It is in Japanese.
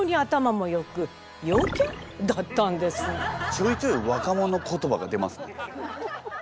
ちょいちょい若者言葉が出ますね。